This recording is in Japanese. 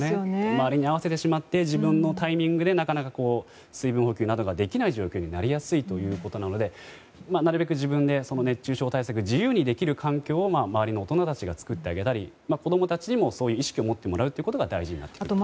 周りに合わせてしまって自分のタイミングでなかなか水分補給などができない状況になりやすいということなのでなるべく自分で熱中症対策を自由にできる環境を周りの大人たちが作ってあげたり、子供たちにもそういう意識を持ってもらうことが大事です。